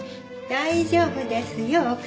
大丈夫ですよ奥様。